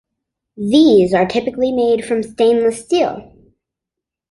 These are typically made from stainless steel.